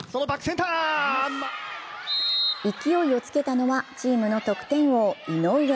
勢いをつけたのはチームの得点王・井上。